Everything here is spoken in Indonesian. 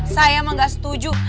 saya emang nggak setuju